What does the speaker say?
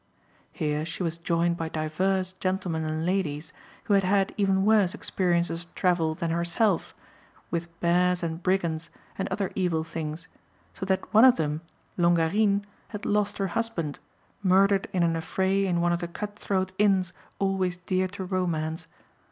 Here she was joined by divers gentlemen and ladies, who had had even worse experiences of travel than herself, with bears and brigands, and other evil things, so that one of them, Longarine, had lost her husband, murdered in an affray in one of the cut throat inns always dear to romance.